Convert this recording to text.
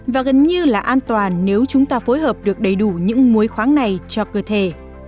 và gần như là an toàn nếu chúng ta phối hợp được đầy đủ những muối khoáng này cho cơ thể